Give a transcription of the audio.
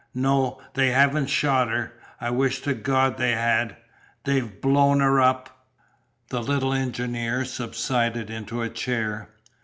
"No, they haven't shot her. I wish to God they had! They've blown her up!" The little engineer subsided into a chair.